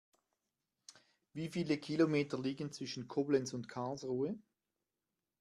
Wie viele Kilometer liegen zwischen Koblenz und Karlsruhe?